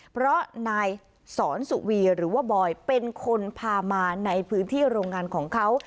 เพราะนายสอนสุวีหรือว่าบอยเป็นคนพามาในพื้นที่โรงงานของเขา